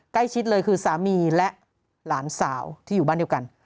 ใกล้ชิดเลยคือสามีและหลานสาวที่อยู่บ้านเดียวกัน